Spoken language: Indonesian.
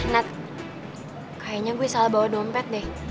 nat kayaknya gue salah bawa dompet deh